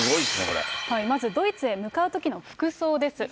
まずドイツへ向かうときの服すごいよ。